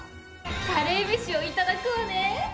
カレーメシを頂くわね。